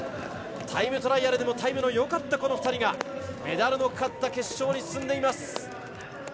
タイムトライアルでもタイムのよかったこの２人がメダルのかかった決勝に進んでいます。